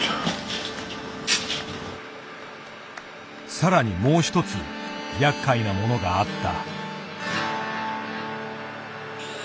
更にもう一つやっかいなものがあった。